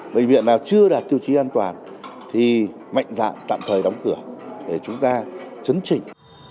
bệnh viện nào chưa đạt tiêu chí an toàn thì mạnh dạng tạm thời đóng cửa để chúng ta chấn chỉnh